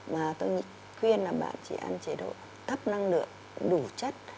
mà tôi nghĩ khuyên là bạn chỉ ăn chế độ thấp năng lượng đủ chất